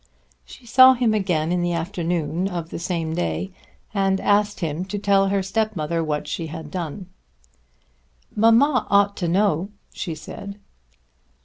She saw him again in the afternoon of the same day and asked him to tell her stepmother what she had done. "Mamma ought to know," she said.